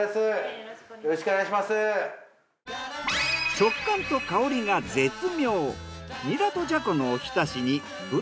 食感と香りが絶妙！